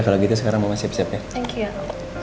yaudah kalau gitu sekarang mama siap siap ya